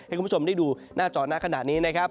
ให้คุณผู้ชมได้ดูหน้าจอหน้าขณะนี้นะครับ